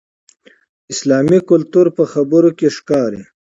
اسلامي کلتور په خبرو کې ښکاري.